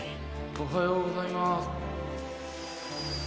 おはようございます。